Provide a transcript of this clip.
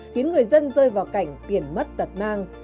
khiến người dân rơi vào cảnh tiền mất tật mang